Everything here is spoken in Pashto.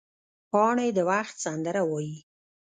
پاڼې د وخت سندره وایي